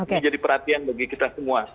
ini jadi perhatian bagi kita semua